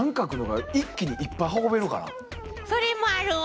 それもあるわ！